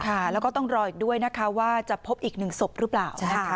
ค่ะแล้วก็ต้องรออีกด้วยนะคะว่าจะพบอีกหนึ่งศพหรือเปล่านะคะ